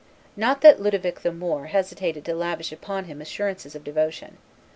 Not that Ludovic the Moor hesitated to lavish upon him assurances of devotion.